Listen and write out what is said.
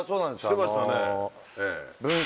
してましたね。